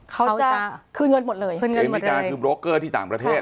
เขาจะคืนเงินหมดเลยคืนเงินอเมริกาคือโบรกเกอร์ที่ต่างประเทศ